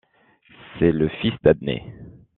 C’est le fils d’Adnae.